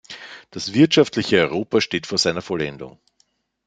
Das wirtschaftliche Europa steht vor seiner Vollendung.